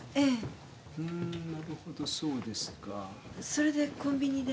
それでコンビニで。